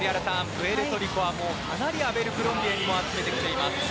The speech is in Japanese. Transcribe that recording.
プエルトリコはかなりアベルクロンビエに集めてきています。